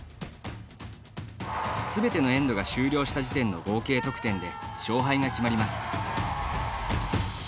すべてのエンドが終了した時点の合計得点で勝敗が決まります。